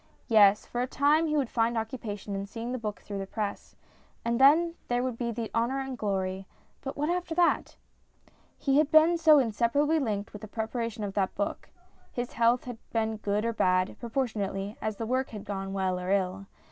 Yes, for a time he would find occupation in seeing the book through the press ; and then there would be the honour and glory ; but what after that ? He had been so inseparably linked with the preparation of that book. His health had been good or bad, proportionately as the work had gone well or ill.